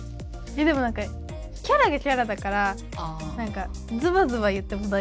でも何かキャラがキャラだからズバズバ言っても大丈夫みたいな。